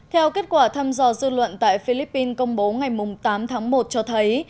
theo kết quả thăm dò dư luận tại philippines công bố ngày tám tháng một cho thấy